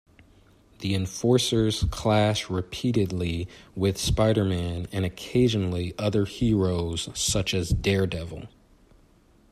The Enforcers clash repeatedly with Spider-Man and occasionally other heroes such as Daredevil.